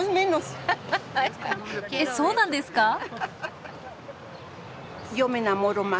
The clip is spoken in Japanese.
えそうなんですか？